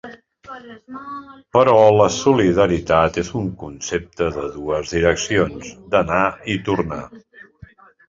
Però la solidaritat és un concepte de dues direccions, d’anar i tornar.